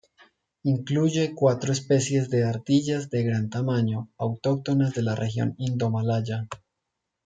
Incluye cuatro especies de ardillas de gran tamaño autóctonas de la región indomalaya.